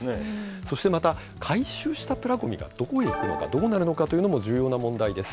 そしてまた、回収したプラごみがどこへ行くのか、どうなるのかというのも重要な問題です。